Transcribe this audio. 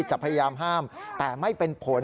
จะพยายามห้ามแต่ไม่เป็นผล